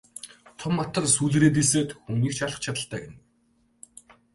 Том матар сүүлээрээ дэлсээд хүнийг ч алах чадалтай гэнэ.